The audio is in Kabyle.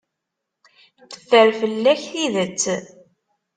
Teffer fell-ak tidet.